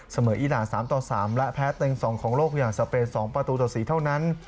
อีราน๓ต่อ๓และแพ้เต็ง๒ของโลกอย่างสเปน๒ประตูต่อ๔เท่านั้น